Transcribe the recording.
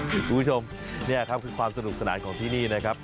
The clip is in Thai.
คุณผู้ชมนี่ครับคือความสนุกสนานของที่นี่นะครับ